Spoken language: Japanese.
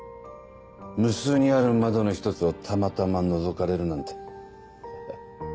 無数にある窓の一つをたまたまのぞかれるなんて。